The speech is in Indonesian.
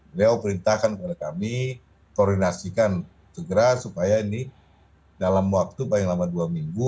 beliau perintahkan kepada kami koordinasikan segera supaya ini dalam waktu paling lama dua minggu